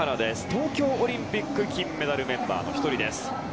東京オリンピック金メダルメンバーの１人です。